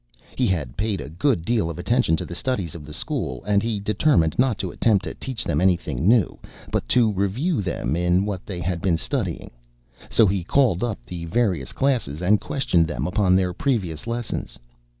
He had paid a good deal of attention to the studies of the school, and he determined not to attempt to teach them anything new, but to review them in what they had been studying; so he called up the various classes, and questioned them upon their previous lessons.